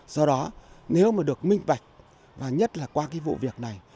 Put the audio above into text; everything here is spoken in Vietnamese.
do đó nếu mà được minh bạch và nhất là qua cái vụ việc này